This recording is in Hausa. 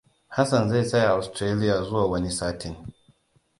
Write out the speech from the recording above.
Hassan zai tsaya a Austarlia zuwa wani satin.